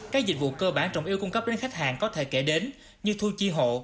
các dịch vụ cơ bản trọng yêu cung cấp đến khách hàng có thể kể đến như thu chi hộ